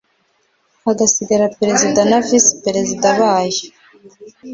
hagasigara perezida na visi-perezida bayo